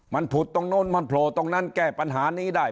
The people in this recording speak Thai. มันผุดตรงนู้นมันโผล่ตรงนั้นแก้ปัญหานี้ได้